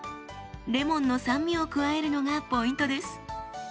レモンの酸味を加えるのがポイントです。